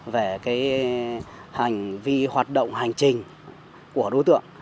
về cái hành vi hoạt động hành trình của đối tượng